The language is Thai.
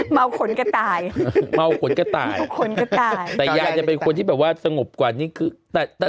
เมาขนกระต่ายเมาขนกระต่ายขนกระต่ายแต่ยายจะเป็นคนที่แบบว่าสงบกว่านี้คือแต่